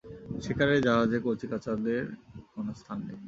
শিকারর জাহাজে কচি-কাঁচাদের কোনো স্থান নেই।